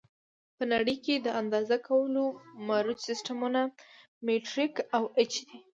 په نړۍ کې د اندازه کولو مروج سیسټمونه مټریک او ایچ دي.